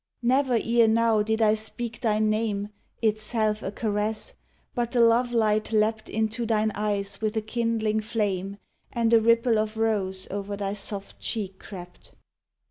Never ere now did I speak thy name, Itself a caress, but the lovelight leapt Into thine eyes with a kindling flame, And a ripple of rose o'er thy soft cheek crept.